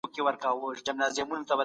ذهني فشار د اړیکو تاوتریخوالی زیاتوي.